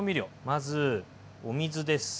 まずお水です。